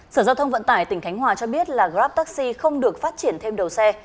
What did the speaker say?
sở giao thông vận tải tỉnh khánh hòa cho biết là grab taxi không được phát triển thêm đầu xe